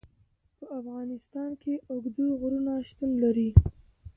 په افغانستان کې اوږده غرونه شتون لري.